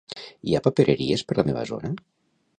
Hi ha papereries per la meva zona?